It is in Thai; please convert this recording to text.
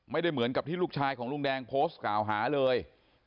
ไม่ได้เหมือนกับที่ลูกชายของลุงแดงโพสต์กล่าวหาเลย